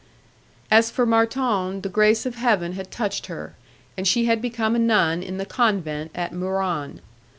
As for Marton, the grace of Heaven had touched her, and she had become a nun in the convent at Muran.